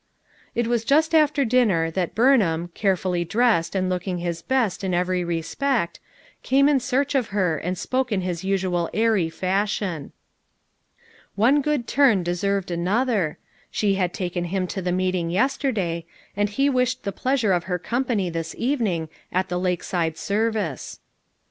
It was just after dinner that Burnham, care fully dressed and looking his best in every re spect, came in search of her and spoke in his usual airy fashion. "One good turn deserved another," she had taken him to the meeting yesterday, and he wished the pleasure of her company this even ing at the Lakeside service.